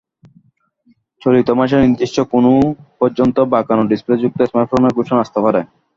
চলতি মাসেই নির্দিষ্ট কোণ পর্যন্ত বাঁকানো ডিসেপ্লযুক্ত স্মার্টফোনের ঘোষণা আসতে পারে।